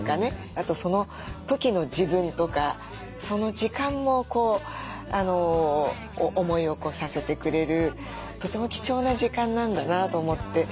あとその時の自分とかその時間も思い起こさせてくれるとても貴重な時間なんだなと思って。